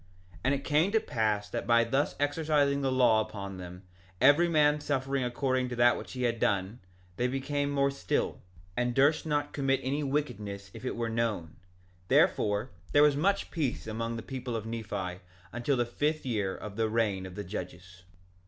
1:33 And it came to pass that by thus exercising the law upon them, every man suffering according to that which he had done, they became more still, and durst not commit any wickedness if it were known; therefore, there was much peace among the people of Nephi until the fifth year of the reign of the judges.